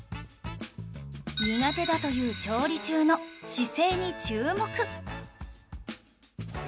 苦手だという調理中の姿勢に注目